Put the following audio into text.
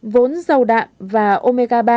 vốn dầu đạm và omega ba